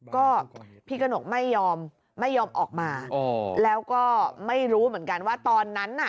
ก็พี่กระหนกไม่ยอมไม่ยอมออกมาแล้วก็ไม่รู้เหมือนกันว่าตอนนั้นน่ะ